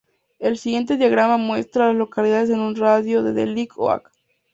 El siguiente diagrama muestra a las localidades en un radio de de Light Oak.